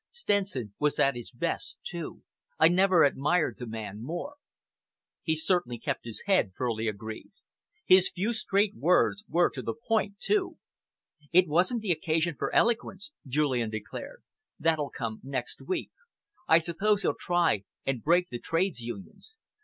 Stenson was at his best, too. I never admired the man more." "He certainly kept his head," Furley agreed. "His few straight words were to the point, too." "It wasn't the occasion for eloquence," Julian declared. "That'll come next week. I suppose he'll try and break the Trades Unions.